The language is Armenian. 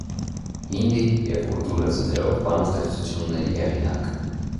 Հինդի և ուրդու լեզուներով բանաստեղծությունների հեղինակ։